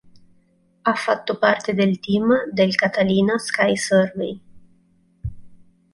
Ha fatto parte del team del Catalina Sky Survey.